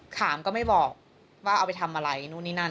ถามก็ไม่บอกว่าเอาไปทำอะไรนู่นนี่นั่น